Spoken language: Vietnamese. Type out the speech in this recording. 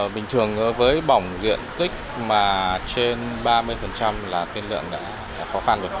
bình thường với bỏng diện tích mà trên ba mươi là tiên lượng khó khăn rồi